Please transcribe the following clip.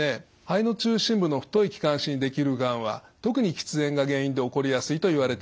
肺の中心部の太い気管支にできるがんは特に喫煙が原因で起こりやすいといわれております。